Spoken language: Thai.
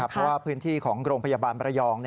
เพราะว่าพื้นที่ของโรงพยาบาลประยอง